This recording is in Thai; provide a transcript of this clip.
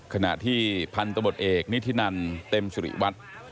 ขณะที่พันธุ์ตมตร์เอกนิทินันเต็มสริวัตย์